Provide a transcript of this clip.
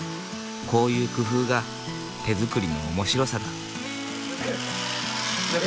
こういう工夫が手作りの面白さだ。